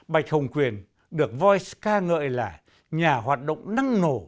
bạch hồng quyền được voice ca ngợi là nhà hoạt động năng nổ